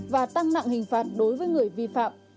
và tăng nặng hình phạt đối với người vi phạm